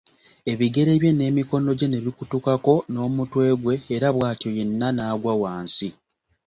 Ebigere bye n'emikono gye ne bikutukako n'omutwe gwe era bw'atyo yenna n'agwa wansi.